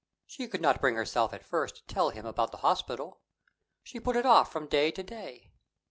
She could not bring herself at first to tell him about the hospital. She put it off from day to day.